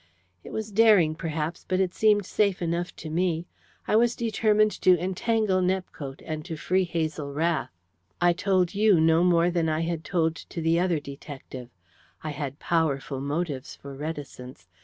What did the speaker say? It was daring, perhaps, but it seemed safe enough to me. I was determined to entangle Nepcote, and to free Hazel Rath. "I told you no more than I had told to the other detective. I had powerful motives for reticence.